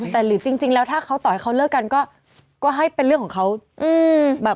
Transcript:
แต่หรือจริงแล้วถ้าเขาต่อให้เขาเลิกกันก็ให้เป็นเรื่องของเขา